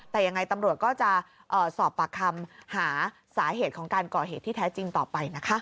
แต่ยังไงตำรวจก็จะสอบปากคำหาสาเหตุของการก่อเหตุที่แท้จริงต่อไปนะคะ